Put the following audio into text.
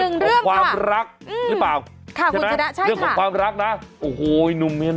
นั่นล่ะลงไปใดเอาลงลงลงลงไปใดลงลง